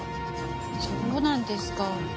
そうなんですか。